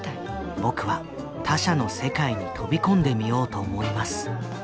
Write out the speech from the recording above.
「僕は他者の世界に飛び込んでみようと思います。